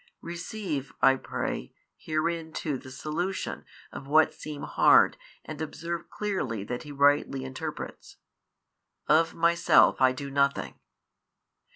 Receive (I pray) herein too the solution of what seem hard and observe clearly that He rightly interprets. Of Myself I do nothing.